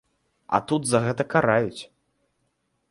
А тут за гэта караюць!